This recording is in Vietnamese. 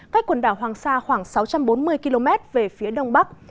cách quần đảo hoàng sa khoảng sáu trăm bốn mươi km về phía đông bắc